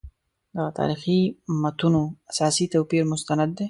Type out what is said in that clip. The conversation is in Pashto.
د تاریخي متونو اساسي توپیر مستند دی.